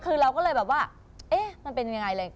คือเราก็เลยแบบว่าเอ๊ะมันเป็นยังไงเลย